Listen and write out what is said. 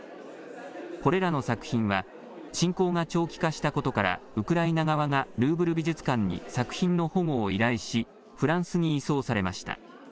これらの作品は、侵攻が長期化したことから、ウクライナ側がルーブル美術館に作品の保護を依頼し、フランスに移送されました。